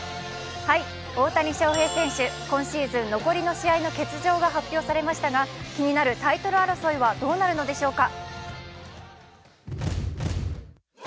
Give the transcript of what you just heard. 大谷翔平選手、今シーズン残りの試合の欠場が発表されましたが気になるタイトル争いはどうなるのでしょうか